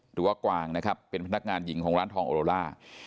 หรือว่ากวางนะครับเป็นพนักงานหญิงของทองโอโลล่า